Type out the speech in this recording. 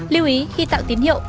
lưu ý khi tạo tín hiệu